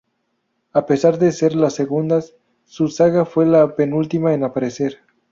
A pesar de ser las segundas, su saga fue la penúltima en aparecer.